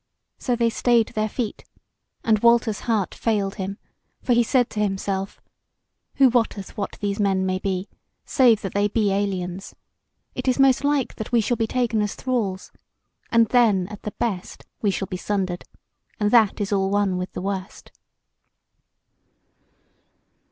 So they stayed their feet, and Walter's heart failed him, for he said to himself: Who wotteth what these men may be, save that they be aliens? It is most like that we shall be taken as thralls; and then, at the best, we shall be sundered; and that is all one with the worst.